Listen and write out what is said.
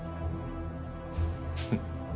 フッ。